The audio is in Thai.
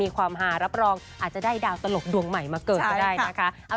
ความหารับรองอาจจะได้ดาวตลกดวงใหม่มาเกิดก็ได้นะคะ